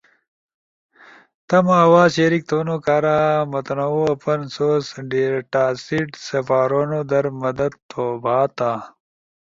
تمو آواز شریک تھونو کارا متنوع اوپن سورس ڈیٹاسیٹ سپارونو در مدد تھو بھاتا۔